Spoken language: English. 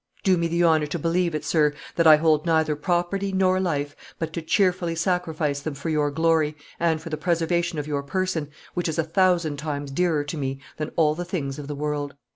Do me the honor to believe, sir, that I hold neither property nor life but to cheerfully sacrifice them for your glory and for the preservation of your person, which is a thousand times dearer to me than all the things of the world."